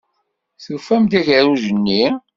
Tufam-d agerruj-nni?